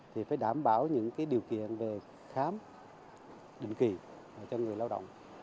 thì phải đảm bảo những điều kiện về khám định kỳ cho người lao động